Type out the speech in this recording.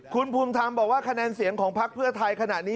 คุณภูมิธรรมบอกว่าคะแนนเสียงของพักเพื่อไทยขณะนี้